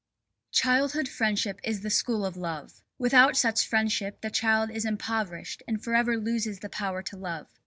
Childhood friendship is the school of love. Without such friendship the child is impoverished and forever loses the power to love.